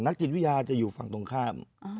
จิตวิทยาจะอยู่ฝั่งตรงข้าม